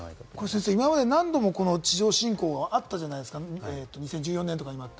先生、何度も今まで地上侵攻あったじゃないですか、２０１４年とか。